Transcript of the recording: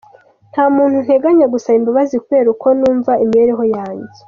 Nta muntu nteganya gusaba imbabazi kubera uko numva imibereho yanjye”.